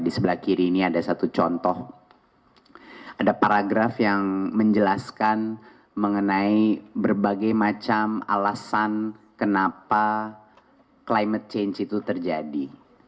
di sebelah kiri ini ada satu contoh ada paragraf yang menjelaskan mengenai berbagai macam alasan kenapa climate change itu terjadi